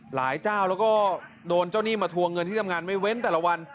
เจ้าแล้วก็โดนเจ้าหนี้มาทวงเงินที่ทำงานไม่เว้นแต่ละวัน